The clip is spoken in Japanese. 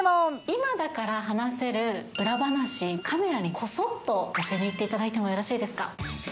今だから話せる、裏話、カメラにこそっと教えていただいてもいいですか。